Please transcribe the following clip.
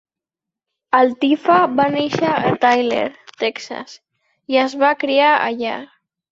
Eltife va néixer a Tyler (Texas) i es va criar allà.